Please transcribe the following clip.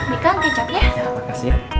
ini kang kecapnya